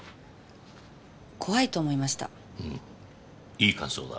いい感想だ。